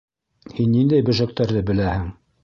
Һин ниндәй бөжәктәрҙе беләһең?